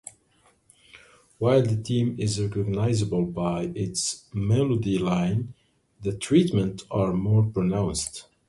While the theme is recognisable by its melody line, the treatments are more pronounced.